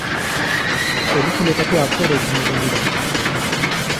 Pelikuletako aktoreekin egon dira.